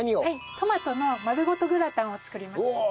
トマトのまるごとグラタンを作ります。